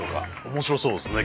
面白そうですね